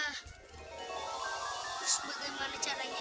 terus bagaimana caranya